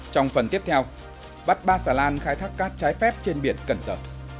trong phần tiếp theo bắt ba xà lan khai thác cát trái phép trên biển cần sở